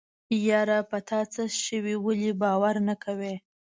يره په تاڅه شوي ولې باور نه کوې.